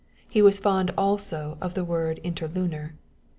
He was very fond, also, of the word interlunar.